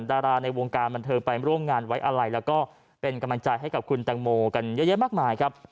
ดาราในวงการบันเทิงไปร่วมงานไว้อะไรแล้วก็เป็นกำลังใจให้กับคุณแตงโมกันเยอะแยะมากมายครับ